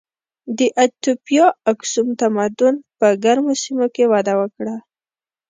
د ایتوپیا اکسوم تمدن په ګرمو سیمو کې وده وکړه.